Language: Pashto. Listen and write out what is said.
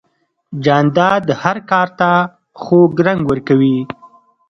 جانداد هر کار ته خوږ رنګ ورکوي.